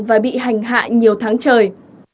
và bị hành hạ nhiều tháng trời